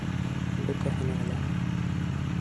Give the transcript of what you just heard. Бөтәһенә лә!